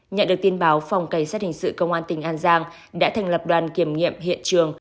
nhận được tin báo phòng cảnh sát hình sự công an tỉnh an giang đã thành lập đoàn kiểm nghiệm hiện trường